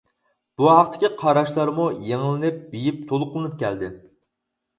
بۇ ھەقتىكى قاراشلارمۇ يېڭىلىنىپ، بېيىپ، تولۇقلىنىپ كەلدى.